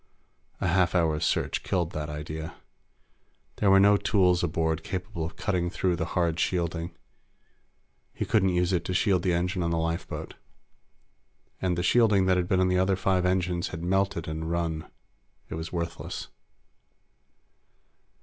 A half hour's search killed that idea. There were no tools aboard capable of cutting through the hard shielding. He couldn't use it to shield the engine on the lifeboat. And the shielding that been on the other five engines had melted and run; it was worthless.